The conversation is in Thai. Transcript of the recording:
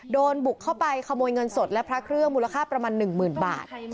บุกเข้าไปขโมยเงินสดและพระเครื่องมูลค่าประมาณ๑๐๐๐บาท